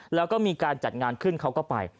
แล้วก็มีการจัดงานขึ้นเขาก็ไป